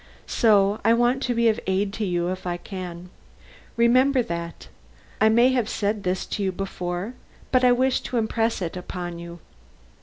So I want to be of aid to you if I can. Remember that. I may have said this to you before, but I wish to impress it upon you."